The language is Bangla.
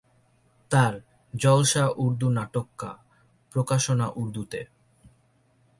তার 'জলসা উর্দু নাটক কা' প্রকাশনা উর্দুতে।